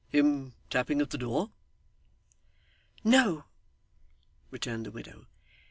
Him tapping at the door?' 'No,' returned the widow.